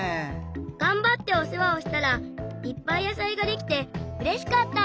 がんばっておせわをしたらいっぱい野さいができてうれしかった！